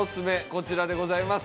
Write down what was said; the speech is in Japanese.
こちらでございます。